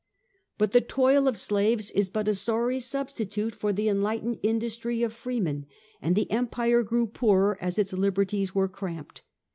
But the toil of slaves is but a sorry substitute for the enlightened industry of freemen ; and the empire grew poorer as its liberties were cramped.